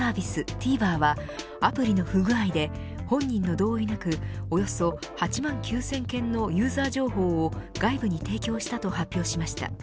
ＴＶｅｒはアプリの不具合で本人の同意なくおよそ８万９０００件のユーザー情報を外部に提供したと発表しました。